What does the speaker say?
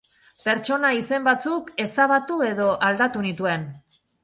Pertsona izen batzuk ezabatu edo aldatu nituen.